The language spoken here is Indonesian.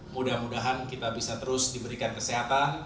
mudah mudahan kita bisa terus diberikan kesehatan